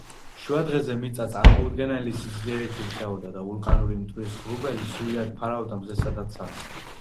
შუადღეზე მიწა წარმოუდგენელი სიძლიერით ირყეოდა და ვულკანური მტვრის ღრუბელი სრულად ფარავდა მზესა და ცას.